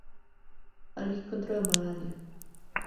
Alí contraeu malaria.